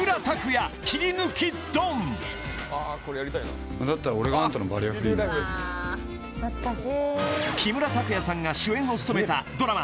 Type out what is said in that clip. がだったら木村拓哉さんが主演を務めたドラマ